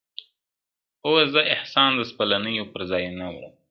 o زه احسان د سپلنیو پر ځان نه وړم,